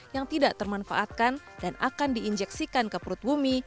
yang tidak termanfaatkan dan akan diinjeksikan ke perut bumi